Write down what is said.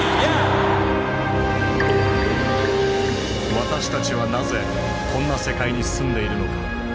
私たちはなぜこんな世界に住んでいるのか。